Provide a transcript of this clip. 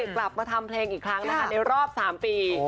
กลับมาทำเพลงอีกครั้งนะคะในรอบ๓ปี